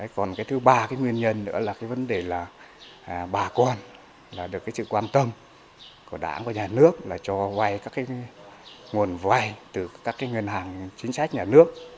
còn cái thứ ba cái nguyên nhân nữa là cái vấn đề là bà con là được cái sự quan tâm của đảng và nhà nước là cho vay các cái nguồn vay từ các cái ngân hàng chính sách nhà nước